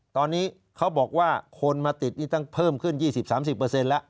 ตอนนี้เขาบอกว่าคนมาติดนี่ต้องเพิ่มขึ้นยี่สิบสามสิบเปอร์เซ็นต์แล้ว